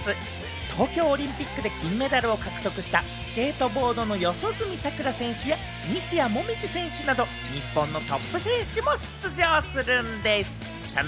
東京オリンピックで金メダルを獲得したスケートボードの四十住さくら選手や、西矢椛選手など日本のトップ選手も出場するんでぃす！